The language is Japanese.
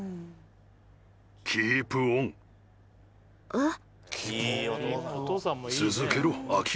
えっ？